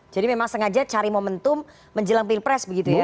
jadi memang sengaja cari momentum menjelang pilpres begitu ya